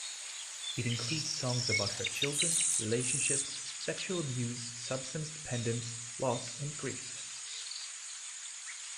It includes songs about her children, relationships, sexual abuse, substance dependence, loss and grief.